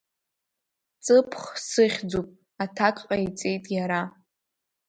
Ҵыԥх сыхьӡуп, аҭак ҟаиҵеит иара.